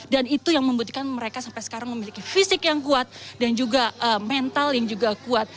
dan itu yang membuktikan mereka sampai sekarang memiliki fisik yang kuat dan juga mental yang juga kuat